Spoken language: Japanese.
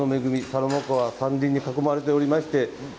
サロマ湖は山林に囲まれています。